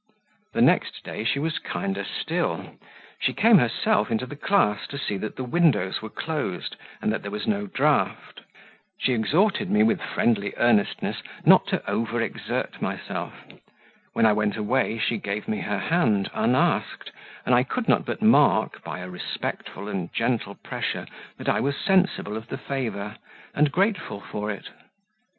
The next day she was kinder still; she came herself into the class to see that the windows were closed, and that there was no draught; she exhorted me with friendly earnestness not to over exert myself; when I went away, she gave me her hand unasked, and I could not but mark, by a respectful and gentle pressure, that I was sensible of the favour, and grateful for it.